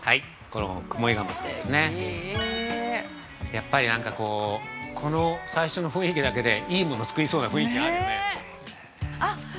◆やっぱりこの最初の雰囲気だけでいいもの作りそうな雰囲気あるよね。